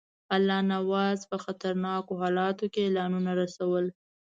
الله نواز په خطرناکو حالاتو کې اعلانونه رسول.